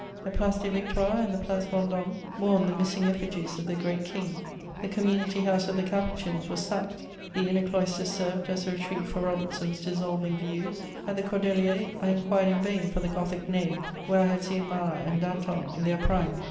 The Place des Victoires and the Place Vendôme mourned the missing effigies of the Great King; the community house of the Capuchins was sacked: the inner cloisters served as a retreat for Robertson's dissolving views. At the Cordeliers, I inquired in vain for the Gothic nave where I had seen Marat and Danton in their prime.